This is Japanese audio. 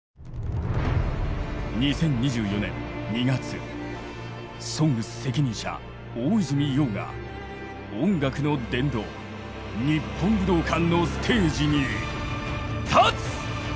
２０２４年２月「ＳＯＮＧＳ」責任者大泉洋が音楽の殿堂日本武道館のステージに立つ！